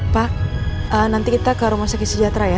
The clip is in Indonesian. pak nanti kita ke rumah sakit sejahtera ya